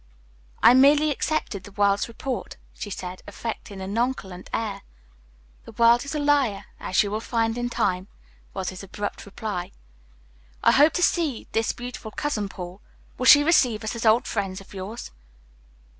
"I merely accepted the world's report," she said, affecting a nonchalant air. "The world is a liar, as you will find in time" was his abrupt reply. "I hope to see this beautiful cousin, Paul. Will she receive us as old friends of yours?"